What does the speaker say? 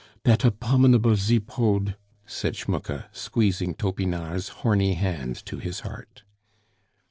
"Dat apominable Zipod!" said Schmucke, squeezing Topinard's horny hand to his heart.